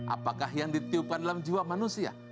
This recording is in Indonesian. apakah yang ditiupkan dalam jiwa manusia